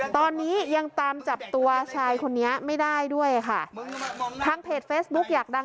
ตอนนี้ยังตามจับตัวชายคนนี้ไม่ได้ด้วยค่ะทางเพจเฟซบุ๊กอยากดัง